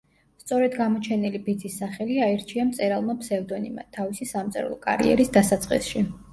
სწორედ გამოჩენილი ბიძის სახელი აირჩია მწერალმა ფსევდონიმად თავისი სამწერლო კარიერის დასაწყისში.